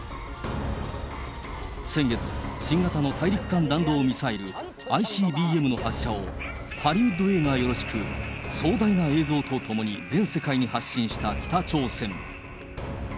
先月、新型の大陸間弾道ミサイル・ＩＣＢＭの発射を、ハリウッド映画よろしく、壮大な映像とともに全世界に発信した北朝鮮。